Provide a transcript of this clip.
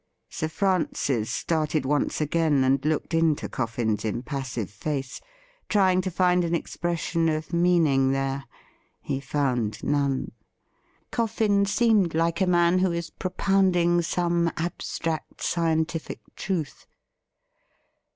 Sir Francis started once again, and looked into Coffin's impassive face, trying to find an expression of meaning there. , He found none. Coffin seemed like a man who is propounding some abstract scientific truth.